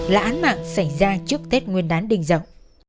là án mạng xảy ra trước tết nguyên đán đình dậu